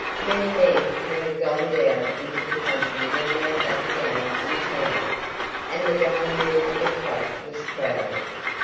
Many men who had gone down into the country were now back again in town, and the dining room at the club was crowded.